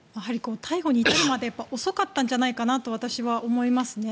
逮捕に至るまで遅かったんじゃないかなと私は思いますね。